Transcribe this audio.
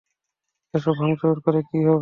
এসব ভাংচুর করে কী হবে?